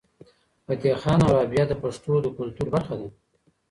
فتح خان او رابعه د پښتنو د کلتور برخه ده.